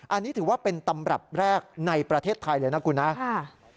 อันนี้ถือว่าเป็นตำรับแรกในประเทศไทยเลยนะคุณนะ